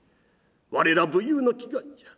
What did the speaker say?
我ら武勇の祈願じゃ。